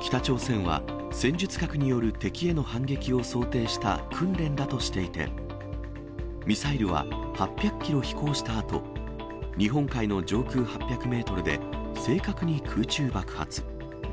北朝鮮は、戦術核による敵への反撃を想定した訓練だとしていて、ミサイルは８００キロ飛行したあと、日本海の上空８００メートルで、正確に空中爆発。